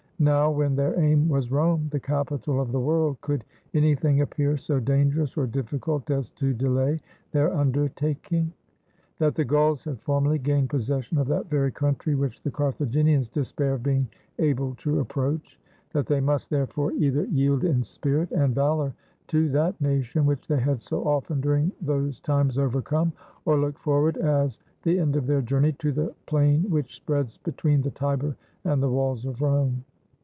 Now, when their aim was Rome, the capital of the world, could anything appear so dangerous or difficult as to delay their undertaking? That the Gauls had formerly gained possession of that very country which the Carthaginians despair of being able to approach. That they must, therefore, either 338 HOW HANNIBAL MADE HIS WAY TO ITALY yield in spirit and valor to that nation which they had so often during those times overcome ; or look forward, as the end of their journey, to the plain which spreads be tween the Tiber and the walls of Rome.